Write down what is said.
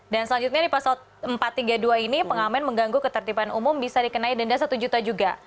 dan selanjutnya di pasal empat ratus tiga puluh dua ini pengamen mengganggu ketertiban umum bisa dikenai denda rp satu juta juga